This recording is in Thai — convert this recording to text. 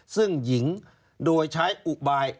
ซึ่งหญิงโดยใช้อุบาย